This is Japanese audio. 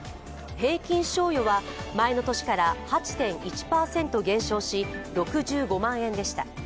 平均賞与は前の年から８．１％減少し、６５万円でした。